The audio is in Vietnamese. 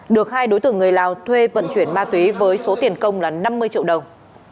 được hai đối tượng người lào thuê vận chuyển ma túy với số tiền công là năm mươi triệu đồng